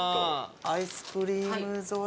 アイスクリーム添え。